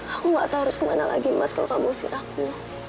aku nggak tahu harus kemana lagi mas kalau kamu usir aku